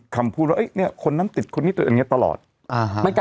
ก็เป็นไปได้นะ